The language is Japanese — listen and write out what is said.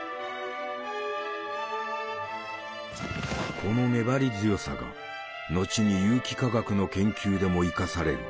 この粘り強さが後に有機化学の研究でも生かされる。